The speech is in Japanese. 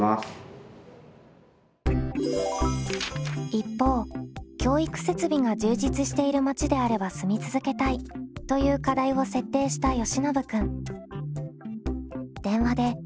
一方「教育設備が充実している町であれば住み続けたい」という課題を設定したよしのぶ君。